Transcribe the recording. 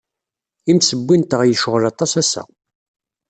Imsewwi-nteɣ yecɣel aṭas ass-a.